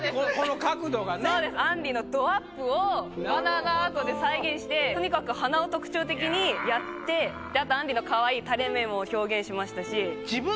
あんりのドアップをバナナアートで再現してとにかく鼻を特徴的にやってあとあんりのかわいい垂れ目も表現しましたし。